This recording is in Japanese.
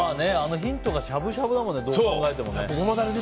ヒントがしゃぶしゃぶだもんねどう考えても。